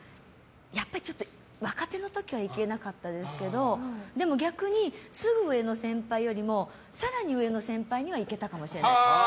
やっぱりちょっと若手の時はいけなかったですけどでも、逆にすぐ上の先輩よりも更に上の先輩にはいけたかもしれないです。